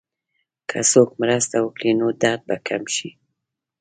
که څوک مرسته وکړي، نو درد به کم شي.